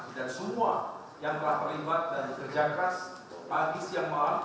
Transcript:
dan semua yang telah terlibat dan bekerja keras pagi siang malam